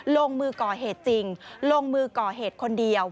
ลงมือก่อเหตุจริงลงมือก่อเหตุคนเดียว